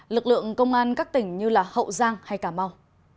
lực lượng công an các tỉnh như hậu giang hay cà mau